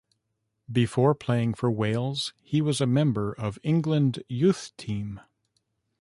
Before playing for Wales, he was a member of England youth team.